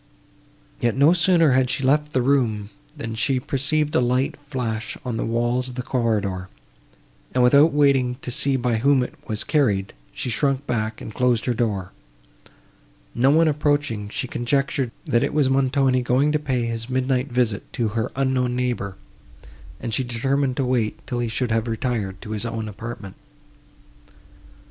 Yet no sooner had she left the room, than she perceived a light flash on the walls of the corridor, and, without waiting to see by whom it was carried, she shrunk back, and closed her door. No one approaching, she conjectured, that it was Montoni going to pay his midnight visit to her unknown neighbour, and she determined to wait, till he should have retired to his own apartment.